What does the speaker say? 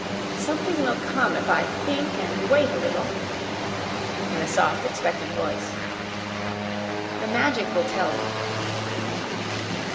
"Something will come if I think and wait a little" in a soft, expectant voice. "The Magic will tell me."